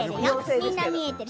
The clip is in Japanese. みんな見えている。